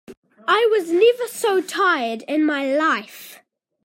I was never so tired in my life.